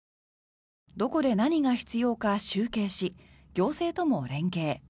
どこで何が必要か集計し行政とも連携。